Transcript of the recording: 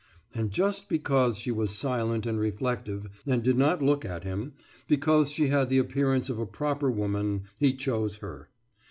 And just because she was silent and reflective and did not look at him, because she had the appearance of a proper woman, he chose her.